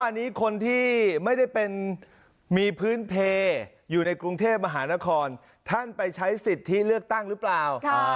อันนี้คนที่ไม่ได้เป็นมีพื้นเพลอยู่ในกรุงเทพมหานครท่านไปใช้สิทธิเลือกตั้งหรือเปล่า